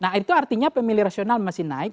nah itu artinya pemilih rasional masih naik